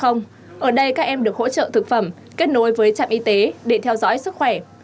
ở đây các em được hỗ trợ thực phẩm kết nối với trạm y tế để theo dõi sức khỏe